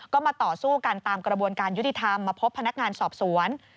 ก็มาต่อสู้กันตามกระบวนการยุติธรรมมาพบพนักงานสอบสวน